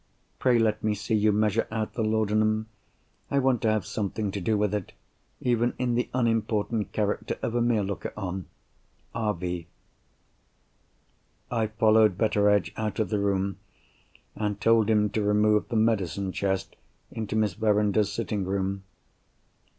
Pray let me see you measure out the laudanum; I want to have something to do with it, even in the unimportant character of a mere looker on.—R.V." I followed Betteredge out of the room, and told him to remove the medicine chest into Miss Verinder's sitting room.